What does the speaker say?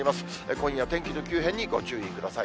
今夜、天気の急変にご注意ください。